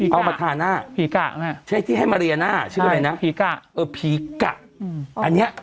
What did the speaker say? เอามาทาหน้าใช่ที่ให้มาเรียนหน้าชื่ออะไรนะอ่ะผีกะอันนี้